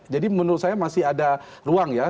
jadi menurut saya masih ada ruang ya